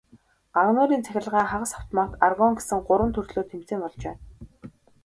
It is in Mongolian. Гагнуурын цахилгаан, хагас автомат, аргон гэсэн гурван төрлөөр тэмцээн болж байна.